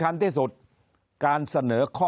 คนในวงการสื่อ๓๐องค์กร